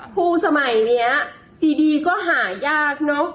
คู่สมัยนี้ดีก็หายากเนอะ